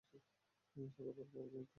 চলো বাবার মতামত নিই।